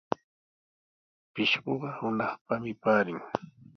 Pishquqa hunaqpami paarin.